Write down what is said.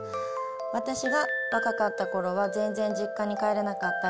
私が若かった頃は全然実家に帰れなかったり